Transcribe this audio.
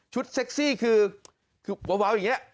เซ็กซี่คือวาวอย่างนี้